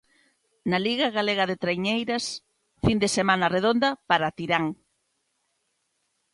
Na Liga galega de traiñeiras, fin de semana redonda para Tirán.